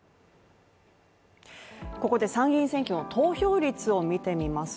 ここで参議院選挙の投票率を見てみます。